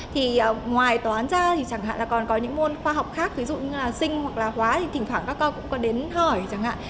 thì ngoài toán ra thì chẳng hạn là còn có những môn khoa học khác ví dụ như là sinh hoặc là quá thì thỉnh thoảng các con cũng có đến hỏi chẳng hạn